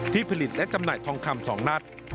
ผลิตและจำหน่ายทองคำ๒นัด